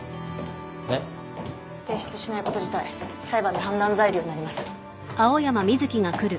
えっ？提出しないこと自体裁判で判断材料になります。